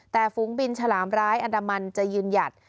แต่ฝูงบินฉลามร้ายอันดามันจะยืนหยัด